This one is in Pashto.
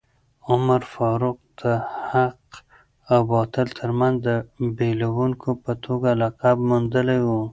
عمر فاروق د حق او باطل ترمنځ د بېلوونکي په توګه لقب موندلی و.